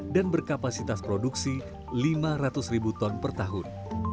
dan berkapasitas produksi lima ratus ribu ton per tahun